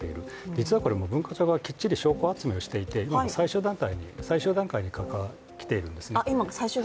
実はこれ文化庁側がきっちり証拠集めをしていて、今は最終段階にきているんですね。